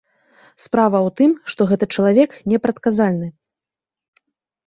Справа ў тым, што гэты чалавек непрадказальны.